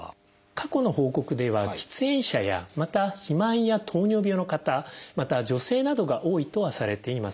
過去の報告では喫煙者やまた肥満や糖尿病の方また女性などが多いとはされています。